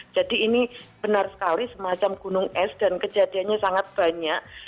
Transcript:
jadi ini benar sekali semacam gunung es dan kejadiannya sangat banyak